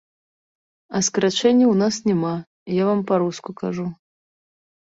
А скарачэнняў у нас няма, я вам па-руску кажу.